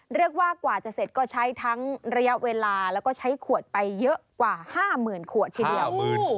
เรียกว่ากว่าจะเสร็จก็ใช้ทั้งระยะเวลาแล้วก็ใช้ขวดไปเยอะกว่า๕๐๐๐ขวดทีเดียว